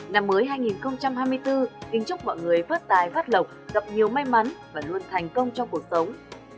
năm mới hai nghìn hai mươi bốn kính chúc mọi người phát tài phát lộc gặp nhiều may mắn và luôn thành công trong cuộc sống